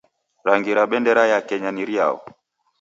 Rangi ra bendera ya Kenya ni riao?